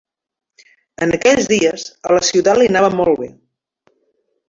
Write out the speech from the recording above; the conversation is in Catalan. En aquells dies, a la ciutat li anava molt bé.